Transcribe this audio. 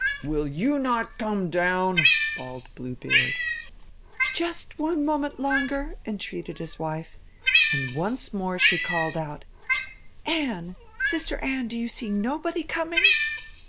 'Will you not come down?' bawled Blue Beard. 'Just one moment longer!' entreated his wife, and once more she called out: '_Anne, Sister Anne, do you see nobody coming?